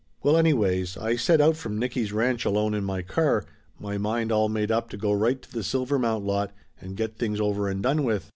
Well anyways, I set out from Nicky's ranch alone in my car, my mind all made up to go right to the Silvermount lot and get things over and done with.